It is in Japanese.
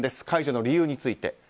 解除の理由について。